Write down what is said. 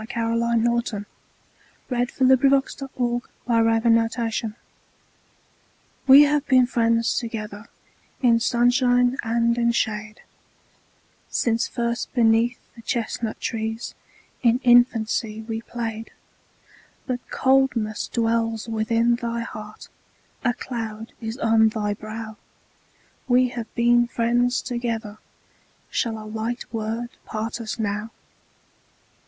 Caroline Norton We Have Been Friends Together WE have been friends together In sunshine and in shade, Since first beneath the chestnut trees, In infancy we played. But coldness dwells within thy heart, A cloud is on thy brow; We have been friends together, Shall a light word part us now?